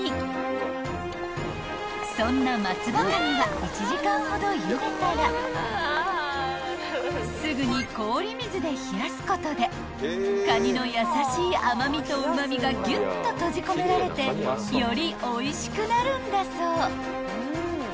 ［そんな松葉かには１時間ほどゆでたらすぐに氷水で冷やすことでカニの優しい甘味とうま味がギュッと閉じ込められてよりおいしくなるんだそう］